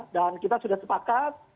dan kita sudah sepakat